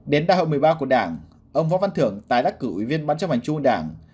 đến đại hội một mươi ba của đảng ông võ văn thưởng tái đắc cử ủy viên bán chấp hành trung đảng